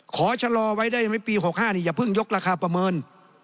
ขอชะลอไว้ได้ไหมปี๖๕นี่อย่าเพิ่งยกราคาประเมิน